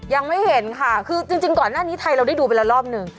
ยังไม่เห็นค่ะคือจริงก่อนหน้านี้ไทยเราได้ดูไปแล้วรอบหนึ่ง